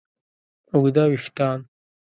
اوږده وېښتیان